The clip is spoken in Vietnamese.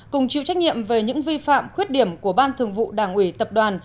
cùng chịu trách nhiệm về những vi phạm khuyết điểm của ban thường vụ đảng ủy tập đoàn